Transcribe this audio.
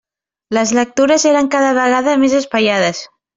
Les lectures eren cada vegada més espaiades.